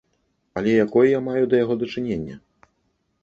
Але якое я маю да яго дачыненне?